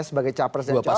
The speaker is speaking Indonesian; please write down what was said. sebagai capres dan capres